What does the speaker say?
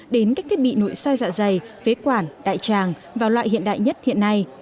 đến các thiết bị nội sai dạ dày phế quản đại tràng vào loại hiện đại nhất hiện nay